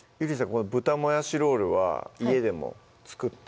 この「豚もやしロール」は家でも作って？